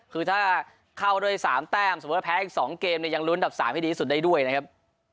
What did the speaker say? คือถ้าเข้าด้วย๓แต้มสมมุติแพ้อีก๒เกมเนี่ยยังลุ้นดับ๓ให้ดีที่สุดได้ด้วยนะครับ